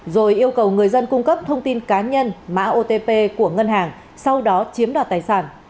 rồi yêu cầu người dân cung cấp thông tin cá nhân mã otp của ngân hàng sau đó chiếm đoạt tài sản